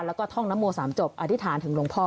แล้วก็ท่องน้ำโมสามจบอธิษฐานถึงลงพ่อ